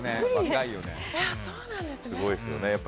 すごいですよね。